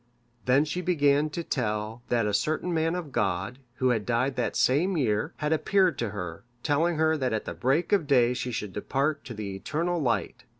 Then she began to tell, that a certain man of God, who had died that same year, had appeared to her, telling her that at the break of day she should depart to the eternal light.